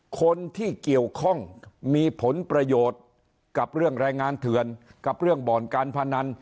คนที่เกี่ยวข้องมีผลประโยชน์กับเรื่องแรงงานเถื่อนกับเรื่องบ่อนการพนัน